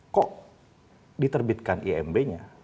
kok diterbitkan imb nya